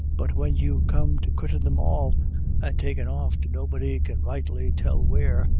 But whin you come to quittin' them all, and takin' off to nobody can rightly tell where.